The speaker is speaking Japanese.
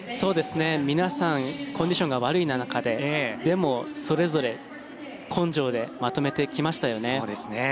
皆さんコンディションが悪い中ででも、それぞれ根性でまとめてきましたよね。